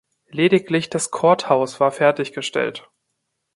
Lediglich das Courthouse war fertiggestellt.